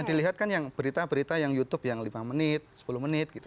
kita lihat kan berita berita yang youtube yang lima menit sepuluh menit gitu